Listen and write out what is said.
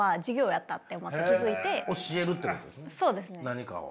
何かを。